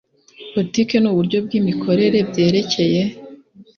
Politiki n uburyo bw imikorere byerekeye